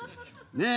ねえ。